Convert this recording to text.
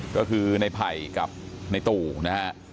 ก็คือในภัยกับในตู่นะครับ